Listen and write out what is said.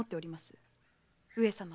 上様